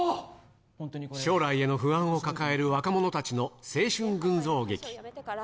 将来への不安を抱える若者たちの青春群像劇。